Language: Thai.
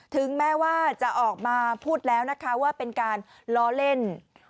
ถึงแม้ว่าจะออกมาพูดแล้วนะคะว่าเป็นการล้อเล่น